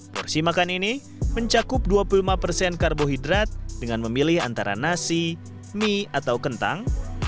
porsi makan ini mencakup dua puluh lima persen karbohidrat dengan memilih antara nasi mie atau kentang